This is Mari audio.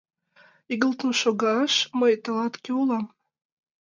Игылтын шогаш мый тылат кӧ улам?